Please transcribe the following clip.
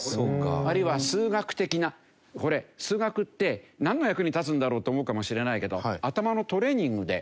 あるいは数学的なこれ数学ってなんの役に立つんだろうって思うかもしれないけど頭のトレーニングで。